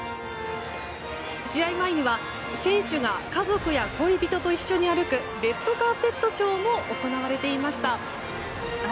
試合前には選手が家族や恋人と一緒に歩くレッドカーペットショーも行われていました。